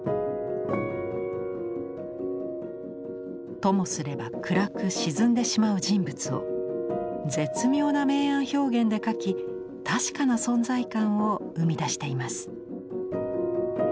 ともすれば暗く沈んでしまう人物を絶妙な明暗表現で描き確かな存在感を生み出しています。